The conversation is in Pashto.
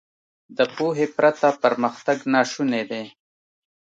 • د پوهې پرته پرمختګ ناشونی دی.